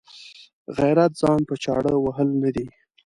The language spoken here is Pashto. غیرت ځان په چاړه وهل نه دي.